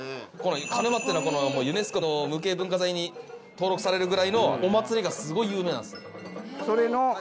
鹿沼ってのはユネスコの無形文化財に登録されるぐらいのお祭りがすごい有名なんですよ。